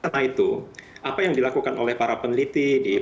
karena itu apa yang dilakukan oleh para peneliti